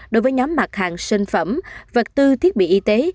đối với nhóm mặt hàng sinh phẩm vật tư thiết bị y tế